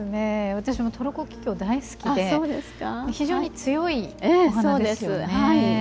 私もトルコキキョウ大好きで非常に強いお花ですよね。